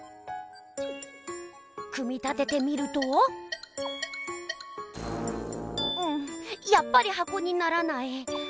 組み立ててみるとんやっぱりはこにならない。